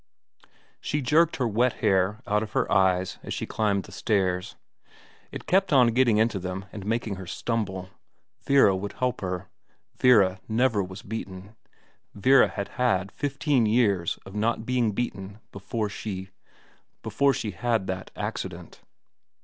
... She jerked her wet hair out of her eyes as she climbed the stairs. It kept on getting into them and making her stumble. Vera would help her. Vera never was beaten. Vera had had fifteen years of not being beaten before she before she had that accident.